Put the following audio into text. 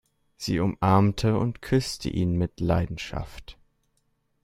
Sie umarmte und küsste ihn mit Leidenschaft.